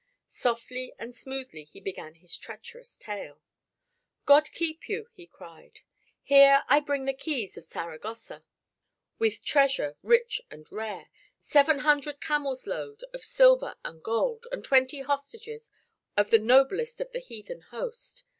Softly and smoothly he began his treacherous tale. "God keep you," he cried; "here I bring the keys of Saragossa, with treasure rich and rare, seven hundred camels' load of silver and gold and twenty hostages of the noblest of the heathen host.